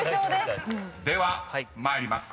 ［では参ります。